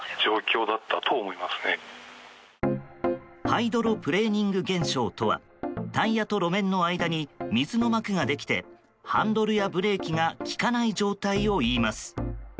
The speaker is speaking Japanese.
ハイドロプレーニング現象とはタイヤと路面の間に水の膜ができてハンドルやブレーキが利かない状態をいいます。